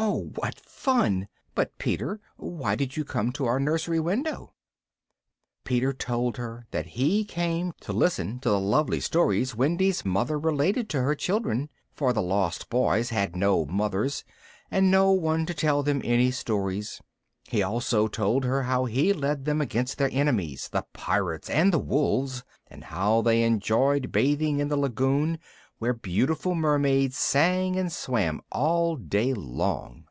"Oh! what fun! But, Peter, why did you come to our nursery window?" Peter told her that he came to listen to the lovely stories Wendy's mother related to her children, for the Lost Boys had no mothers, and no one to tell them any stories. He also told her how he led them against their enemies, the pirates and the wolves, and how they enjoyed bathing in the Lagoon, where beautiful mermaids sang and swam all day long.